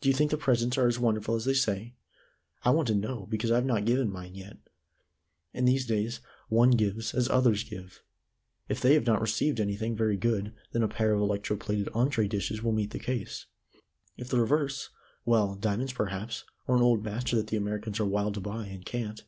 Do you think the presents are as wonderful as they say? I want to know, because I've not given mine yet. In these days one gives as others give. If they have not received anything very good, then a pair of electro plated entrée dishes will meet the case. If the reverse well diamonds, perhaps, or an old Master that the Americans are wild to buy, and can't."